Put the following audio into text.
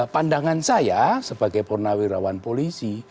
pandangan saya sebagai purnawirawan polisi